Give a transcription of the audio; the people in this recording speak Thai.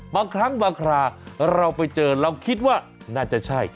บางครั้งบางคราเราไปเจอเราคิดว่าน่าจะใช่